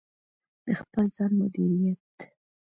د خپل ځان مدیریت: